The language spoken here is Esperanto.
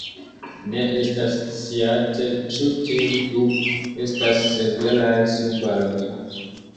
Ne estas sciate ĉu tiuj du estas severaj subaroj.